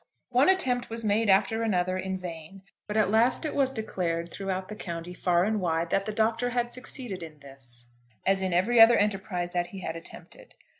One attempt was made after another in vain; but at last it was declared through the country far and wide that the Doctor had succeeded in this, as in every other enterprise that he had attempted.